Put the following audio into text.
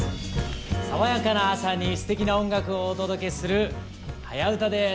爽やかな朝にすてきな音楽をお届けする「はやウタ」です。